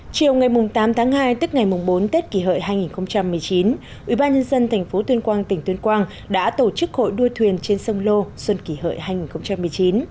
chiều ngày tám tháng hai tức ngày bốn tết kỷ hợi hai nghìn một mươi chín ubnd tp tuyên quang tỉnh tuyên quang đã tổ chức hội đua thuyền trên sông lô xuân kỳ hợi hai nghìn một mươi chín